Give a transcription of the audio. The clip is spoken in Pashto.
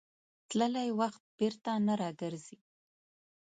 تللی وخت بېرته نه راګرځي.